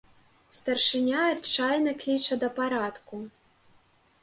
Старшыня адчайна кліча да парадку.